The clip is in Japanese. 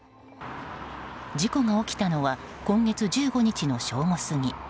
事故が起きたのは今月１５日の正午過ぎ。